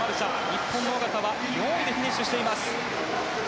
日本の小方は４位でフィニッシュしています。